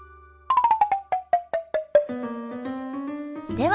では